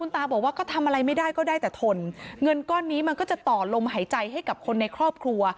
ตาบอกว่าก็ทำอะไรไม่ได้ก็ได้แต่ทนเงินก้อนนี้มันก็จะต่อลมหายใจให้กับคนในครอบครัว